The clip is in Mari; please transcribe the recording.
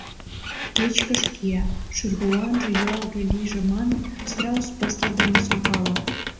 Кечкыж кия, шӱргыжлан юалге лийже манын, страус пыстыл дене солкала.